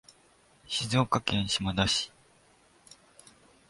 静岡県島田市